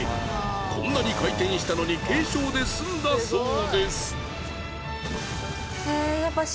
こんなに回転したのに軽傷で済んだそうです。